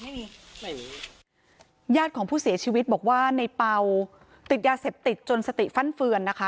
ญาติของผู้เสียชีวิตบอกว่าในเป่าติดยาเสพติดจนสติฟั่นเฟือนนะคะ